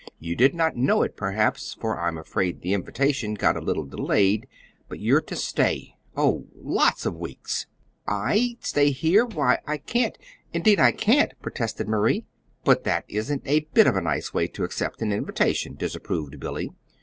You did not know it, perhaps, for I'm afraid the invitation got a little delayed. But you're to stay oh, lots of weeks." "I stay here? Why, I can't indeed, I can't," protested Marie. "But that isn't a bit of a nice way to accept an invitation," disapproved Billy.